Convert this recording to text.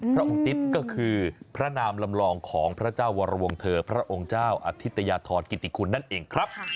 พระองค์ติ๊ดก็คือพระนามลำลองของพระเจ้าวรวงเถอร์พระองค์เจ้าอธิตยาธรกิติคุณนั่นเองครับ